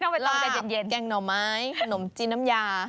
หลาบแกงหน่อไม้ขนมจีนน้ำยา